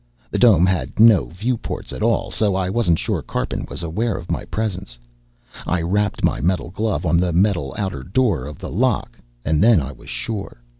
The dome had no viewports at all, so I wasn't sure Karpin was aware of my presence. I rapped my metal glove on the metal outer door of the lock, and then I was sure.